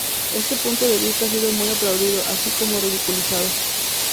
Este punto de vista ha sido muy aplaudido, así como ridiculizado.